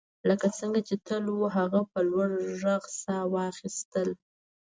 لکه څنګه چې تل وو هغه په لوړ غږ ساه واخیسته